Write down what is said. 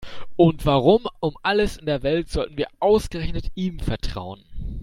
Und warum um alles in der Welt sollten wir ausgerechnet ihm vertrauen?